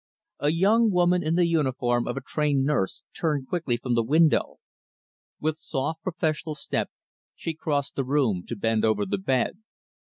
A young woman in the uniform of a trained nurse turned quickly from the window. With soft, professional step, she crossed the room to bend over the bed.